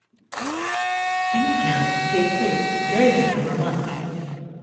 These camps take place during the summer months.